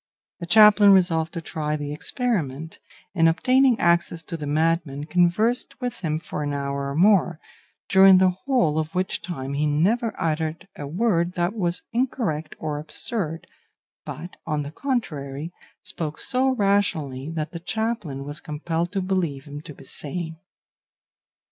The chaplain resolved to try the experiment, and obtaining access to the madman conversed with him for an hour or more, during the whole of which time he never uttered a word that was incoherent or absurd, but, on the contrary, spoke so rationally that the chaplain was compelled to believe him to be sane.